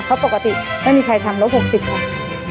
เพราะปกติไม่มีใครทำรถ๖๐ค่ะ